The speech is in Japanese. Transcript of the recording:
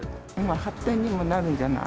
発展にもなるんじゃない？